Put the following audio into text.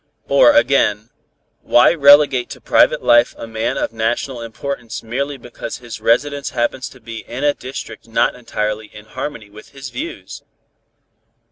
Or again, why relegate to private life a man of National importance merely because his residence happens to be in a district not entirely in harmony with his views?